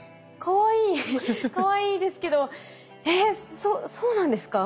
かわいいですけどえっそうなんですか？